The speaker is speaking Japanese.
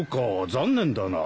残念だな。